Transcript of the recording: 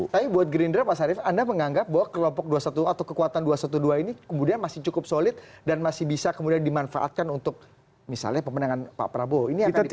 tapi buat gerindra pak sarif anda menganggap bahwa kelompok dua ratus dua belas atau kekuatan dua ratus dua belas ini kemudian masih cukup solid dan masih bisa kemudian dimanfaatkan untuk misalnya pemenangan pak prabowo ini akan terjadi